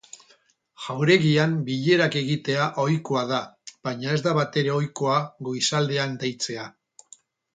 Jauregian bilerak egitea ohikoa da, baina ez da batere ohikoa goizaldean deitzea.